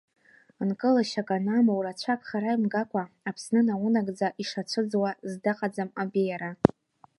Нкылашьак анамоу, рацәак хара имгакәа Аԥсны наунагӡа ишацәыӡуа здаҟаӡам абеиара.